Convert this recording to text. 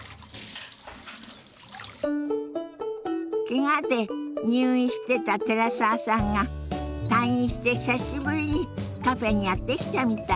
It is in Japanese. けがで入院してた寺澤さんが退院して久しぶりにカフェにやって来たみたい。